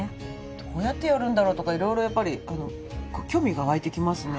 どうやってやるんだろうとか色々やっぱり興味が湧いてきますね。